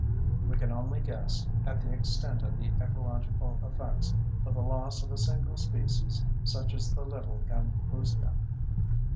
We can only guess at the extent of the ecological effects of the loss of a single species such as the little gambusia.